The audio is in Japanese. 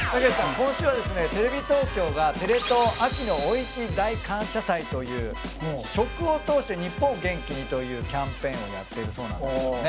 今週はですねテレビ東京が「テレ東秋のおいしい大感謝祭」という食を通して日本を元気にというキャンペーンをやっているそうなんですね。